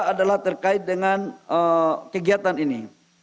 adalah terkait dengan kegiatan ini